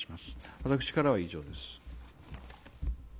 私からは以上です。